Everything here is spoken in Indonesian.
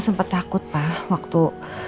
sempet takut pak waktu